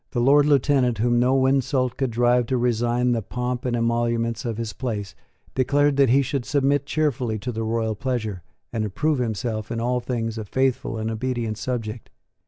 The Lord Lieutenant, whom no insult could drive to resign the pomp and emoluments of his place, declared that he should submit cheerfully to the royal pleasure, and approve himself in all things a faithful and obedient subject.